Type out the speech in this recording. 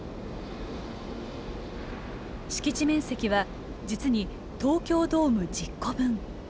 敷地面積は実に東京ドーム１０個分。